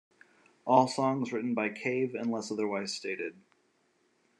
All songs written by Cave unless otherwise stated.